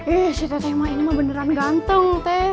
ih si t t ini mah beneran ganteng t